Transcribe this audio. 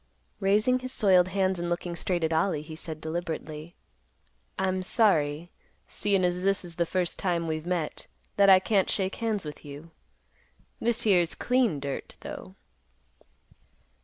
Raising his soiled hands and looking straight at Ollie, he said, deliberately, "I'm sorry, seein' as this is the first time we've met, that I can't shake hands with you. This here's clean dirt, though."